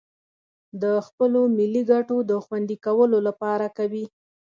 د خپلو ملي گټو د خوندي کولو لپاره کوي